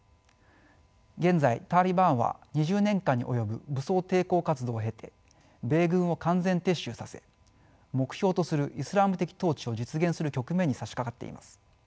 現在タリバンは２０年間に及ぶ武装抵抗活動を経て米軍を完全撤収させ目標とするイスラーム的統治を実現する局面にさしかかっています。